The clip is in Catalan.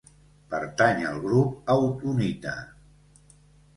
Pertany al grup autunita.